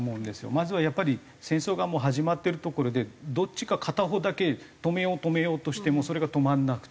まずはやっぱり戦争がもう始まってるところでどっちか片方だけ止めよう止めようとしてもそれが止まらなくて。